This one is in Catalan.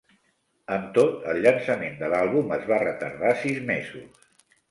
Amb tot, el llançament de l'àlbum es va retardar sis mesos.